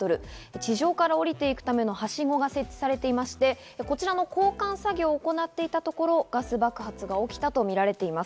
地上から下りていくためのはしごが設置されていまして、こちらの交換作業を行っていたところ、ガス爆発が起きたとみられています。